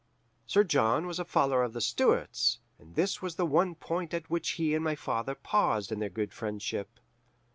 Sir John was a follower of the Stuarts, and this was the one point at which he and my father paused in their good friendship.